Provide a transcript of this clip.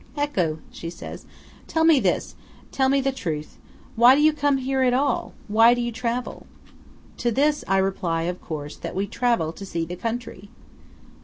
"Ecco!" she says. "Tell me this–tell me the truth–why do you come here at all? Why do you travel?" To this I reply, of course, that we travel to see the country.